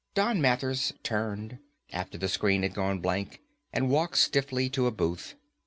Don Mathers turned, after the screen had gone blank, and walked stiffly to a booth.